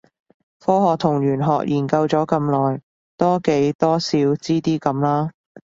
科學同玄學研究咗咁耐，多幾多少知啲咁啦